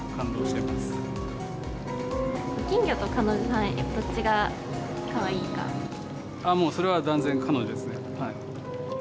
金魚と彼女さん、ああもう、それは断然彼女ですね。